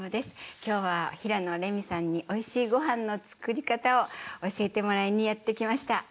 きょうは、平野レミさんにおいしいごはんの作り方を教えてもらいにやってきました。